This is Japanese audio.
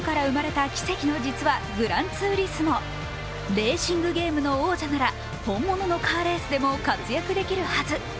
レーシングゲームの王者なら本物のカーレースでも活躍できるはず。